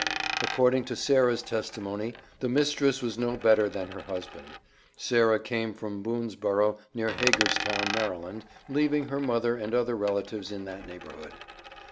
According to Sarah's testimony the mistress was no better than her husband. Sarah came from Boonsborough, near Hagerstown, Md., leaving her mother and other relatives in that neighborhood.